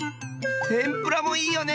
てんぷらもいいよね！